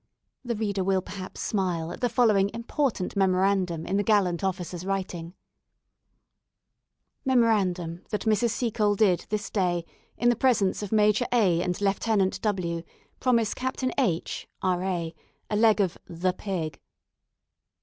The reader will perhaps smile at the following important memorandum in the gallant officer's writing: "Memorandum that Mrs. Seacole did this day, in the presence of Major A and Lieutenant W , promise Captain H , R.A., a leg of the pig."